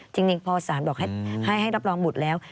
จริงพอสารบอกให้รับรองบุตรแล้ว